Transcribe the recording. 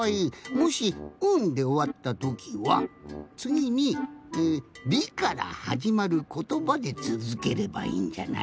もし「ん」でおわったときはつぎに「り」からはじまることばでつづければいいんじゃない？